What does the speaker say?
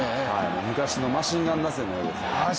昔のマシンガン打線のようです。